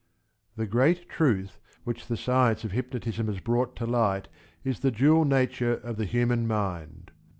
The great truth which the science of hypnotism has brought to light is the dual nature of the human mind.